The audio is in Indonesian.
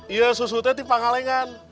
iya susu teh di panghalengan